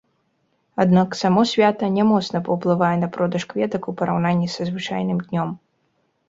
Аднак само свята не моцна паўплывае на продаж кветак у параўнанні са звычайным днём.